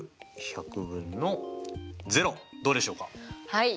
はい。